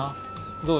どう？